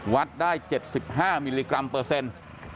วัดได้เจ็บสิบห้ามิลลิกรัมเปอร์เซ็นต์